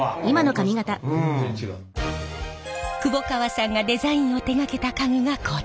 久保川さんがデザインを手がけた家具がこちら。